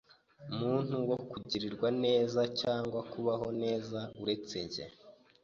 muntu wo kugirirwa neza cyangwa wo kubaho neza uretse njyewe